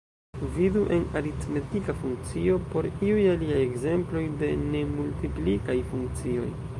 Vidu en aritmetika funkcio por iuj aliaj ekzemploj de ne-multiplikaj funkcioj.